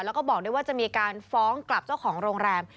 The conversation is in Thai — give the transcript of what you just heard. แล้วก็บอกด้วยว่าจะมีการฟ้องกลับเจ้าของโรงแรม